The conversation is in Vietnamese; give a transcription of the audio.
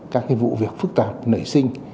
các vụ việc phức tạp nảy sinh